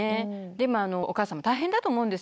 でもあのお母さんも大変だと思うんですよ